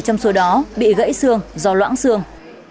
từ đó bị gãy xương do loãng xương